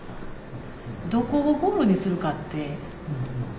どこをゴールにするかって。